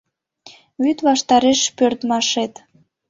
Вӱд ваштареш пӧрдмашет.